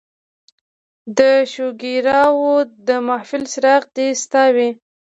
د شوګیراو د محفل څراغ دې ستا وي